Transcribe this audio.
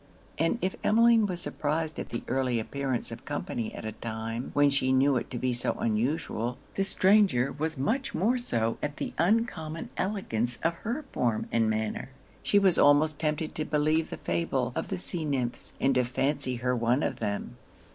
And if Emmeline was surprised at the early appearance of company at a time when she knew it to be so unusual, the stranger was much more so at the uncommon elegance of her form and manner: she was almost tempted to believe the fable of the sea nymphs, and to fancy her one of them.